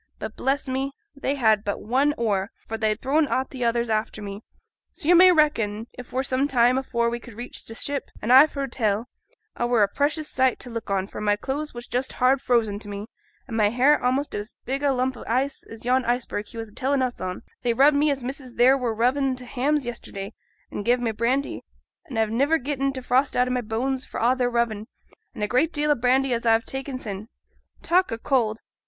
But, bless ye, they had but one oar; for they'd thrown a' t' others after me; so yo' may reckon, it were some time afore we could reach t' ship; an' a've heerd tell, a were a precious sight to look on, for my clothes was just hard frozen to me, an' my hair a'most as big a lump o' ice as yon iceberg he was a telling us on; they rubbed me as missus theere were rubbing t' hams yesterday, and gav' me brandy; an' a've niver getten t' frost out o' my bones for a' their rubbin', and a deal o' brandy as I 'ave ta'en sin'. Talk o' cold!